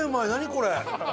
これ。